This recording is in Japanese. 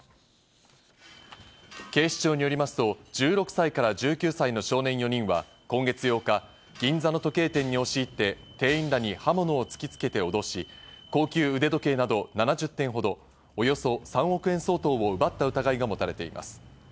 警視庁によりますと、１６歳から１９歳の少年４人は今月８日、銀座の時計店に押し入って、店員らに刃物を突きつけて脅し、高級腕時計など７０点ほど、およそ３億円相当を奪った疑いが持たれています。